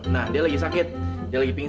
nah dia lagi sakit dia lagi pingsan